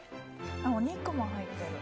お肉も入ってる。